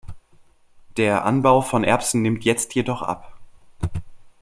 Der Anbau von Erbsen nimmt jetzt jedoch ab.